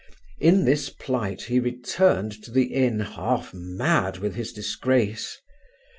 In this plight he returned to the inn, half mad with his disgrace.